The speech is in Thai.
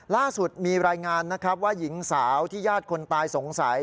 ล่าสุดมีรายงานนะครับว่าหญิงสาวที่ญาติคนตายสงสัย